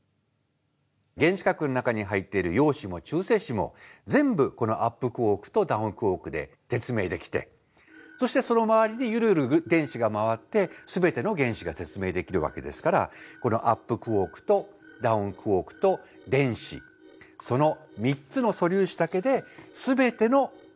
原子核の中に入っている陽子も中性子も全部このアップクォークとダウンクォークで説明できてそしてその周りでゆるゆる電子が回ってすべての原子が説明できるわけですからこのアップクォークとダウンクォークと電子その３つの素粒子だけですべてのものが説明できるんだ。